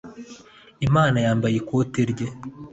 imana yambaye ikote rye